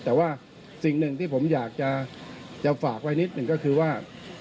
แต่ว่าสิ่งหนึ่งที่ผมอยากจะฝากไว้นิดหนึ่งก็คือว่า